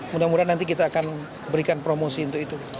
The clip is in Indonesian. mudah mudahan nanti kita akan berikan promosi untuk itu